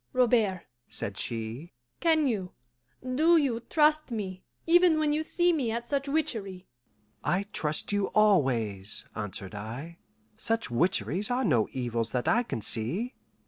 "Robert," said she, "can you, do you trust me, even when you see me at such witchery?" "I trust you always," answered I. "Such witcheries are no evils that I can see."